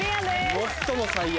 最も最悪。